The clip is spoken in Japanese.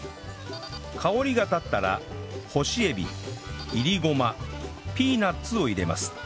香りが立ったら干しエビ煎りごまピーナッツを入れます